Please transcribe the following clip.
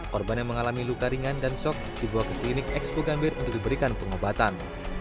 korban yang mengalami luka ringan dan sok dibawa ke klinik expo gambir untuk diberikan pengobatan